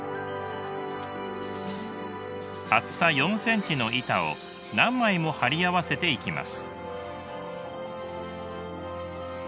厚さ４ｃｍの板を何枚も貼り合わせていきます。